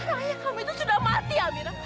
ayah kamu itu sudah mati amira